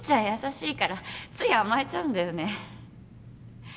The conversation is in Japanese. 優しいからつい甘えちゃうんだよね